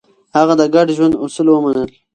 هغه د ګډ ژوند اصول ومنل.